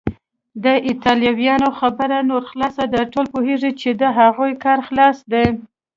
د ایټالویانو خبره نوره خلاصه ده، ټوله پوهیږي چې د هغوی کار خلاص دی.